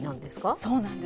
そうなんです。